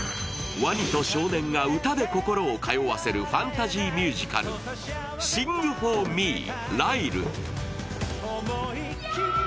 ワニと少年が歌で心を通わせるファンタジー・ミュージカル、「シング・フォー・ミー、ライル」。